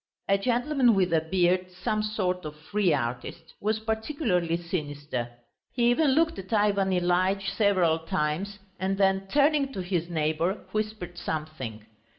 A gentleman with a beard, some sort of free artist, was particularly sinister; he even looked at Ivan Ilyitch several times, and then turning to his neighbour, whispered something.